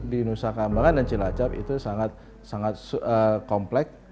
di nusa kambangan dan cilacap itu sangat komplek